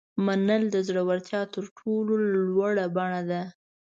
منل د زړورتیا تر ټولو لوړه بڼه ده.